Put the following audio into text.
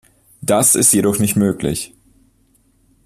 Das ist jedoch nicht möglich.